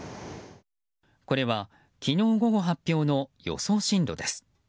これは、昨日午後発表の予想進路です。